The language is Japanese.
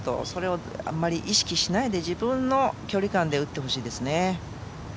それをあまり意識しないで自分の距離感で打ってほしいですね。